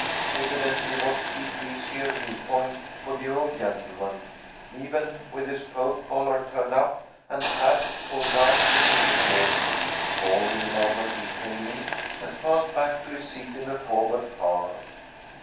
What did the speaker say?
Evidently it was too breezy a view point for the old gentleman, even with his coat collar turned up and hat pulled down to meet his ears, for in a moment he came in and passed back to his seat in a forward car.